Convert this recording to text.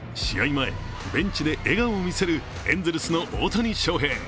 前、ベンチで笑顔を見せるエンゼルスの大谷翔平。